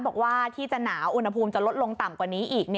บอกว่าที่จะหนาวอุณหภูมิจะลดลงต่ำกว่านี้อีก